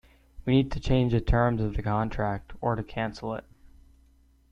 We need to change the terms of the contract, or to cancel it